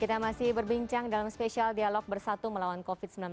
kita masih berbincang dalam spesial dialog bersatu melawan covid sembilan belas